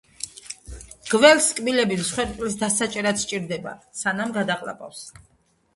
გველს კბილები მსხვერპლის დასაჭერად სჭირდება, სანამ გადაყლაპავს